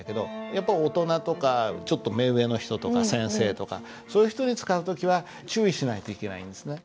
やっぱ大人とかちょっと目上の人とか先生とかそういう人に使う時は注意しないといけないんですね。